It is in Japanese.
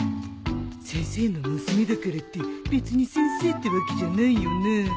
先生の娘だからって別に先生ってわけじゃないよな。